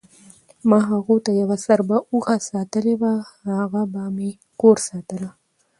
ما هغو ته یوه څربه اوښه ساتلې وه، هغه به مې کور ساتله،